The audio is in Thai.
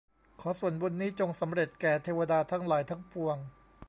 ขอส่วนบุญนี้จงสำเร็จแก่เทวดาทั้งหลายทั้งปวง